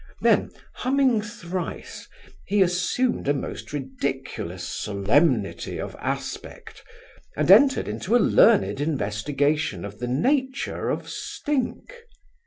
Then humming thrice, he assumed a most ridiculous solemnity of aspect, and entered into a learned investigation of the nature of stink.